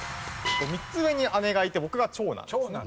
３つ上に姉がいて僕が長男ですね。